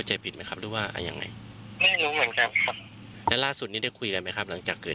เชื่อกันล่ะครับ